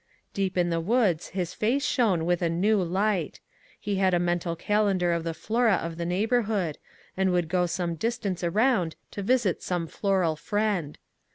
*' Deep in the woods his face shone with a new light. He had a mental cal endar of the flora of the neighbourhood, and would go some distance around to visit some floral friend.